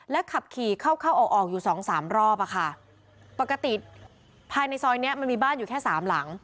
ขับขี่เข้าเข้าออกออกอยู่สองสามรอบอะค่ะปกติภายในซอยเนี้ยมันมีบ้านอยู่แค่สามหลัง